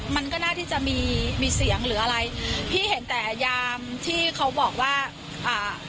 มันก็น่าที่จะมีมีเสียงหรืออะไรพี่เห็นแต่ยามที่เขาบอกว่าอ่า